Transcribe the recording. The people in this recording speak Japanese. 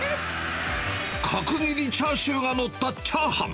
角切りチャーシューが載ったチャーハン。